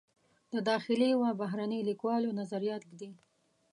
د داخلي و بهرني لیکوالو نظریات ږدي.